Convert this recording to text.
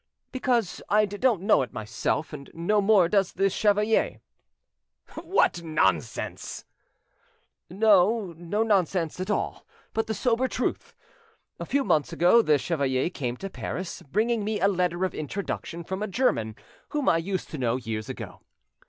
"Because I don't know it myself, and no more does the chevalier." "What' nonsense!" "No nonsense at all, but the sober truth. A few months ago the chevalier came to Paris, bringing me a letter of introduction from a German whom I used to know years ago.